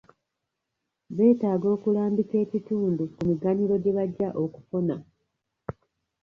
Betaaga okulambika ekitundu ku miganyulo gye bajja okufuna.